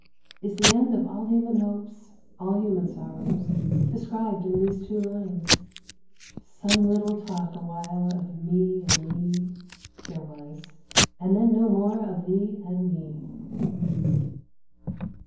Is the end of all human hopes, all human sorrows, described in these two lines? "Some little talk awhile of Me and Thee There was, and then no more of Thee and Me."